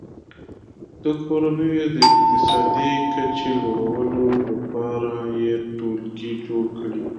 د کورنیو د اقتصادي کچې لوړولو لپاره یې ټولګي جوړ کړي.